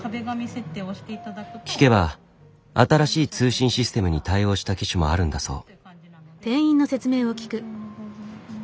聞けば新しい通信システムに対応した機種もあるんだそう。